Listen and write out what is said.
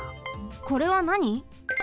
これはなに？